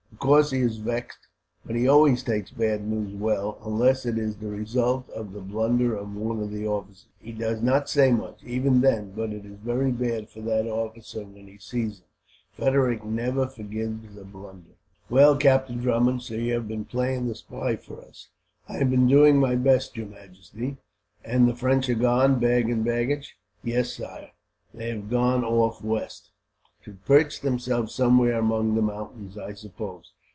Of course he is vexed, but he always takes bad news well, unless it is the result of the blunder of one of the officers. He does not say much, even then; but it is very bad for that officer when he sees him. Frederick never forgives a blunder." "Well, Captain Drummond, so you have been playing the spy for us?" "I have been doing my best, your majesty." "And the French are gone, bag and baggage?" "Yes, sire, they have gone off west." "To perch themselves somewhere among the mountains, I suppose.